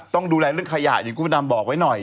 ต้องดูแลเรื่องขยะอย่างคุณพระดำบอกไว้หน่อย